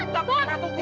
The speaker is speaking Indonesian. tetap kata gue